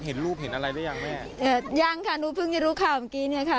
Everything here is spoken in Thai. เห็นรูปเห็นอะไรหรือยังแม่ยังค่ะหนูเพิ่งจะรู้ข่าวเมื่อกี้เนี่ยค่ะ